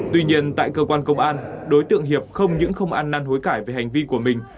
tuy nhiên tại cơ quan công an đối tượng hiệp không những không ăn năn hối cải về hành vi của mình